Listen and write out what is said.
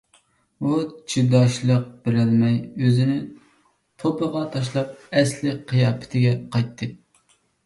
ئۇ چىداشلىق بېرەلمەي ئۆزىنى توپىغا تاشلاپ ئەسلىي قىياپىتىگە قايتتى.